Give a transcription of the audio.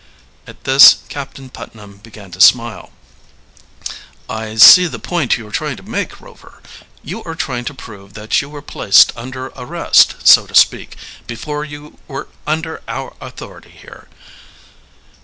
At this Captain Putnam began to smile. "I see the point you are trying to make, Rover. You are trying to prove that you were placed under arrest, so to speak, before you were under our authority here."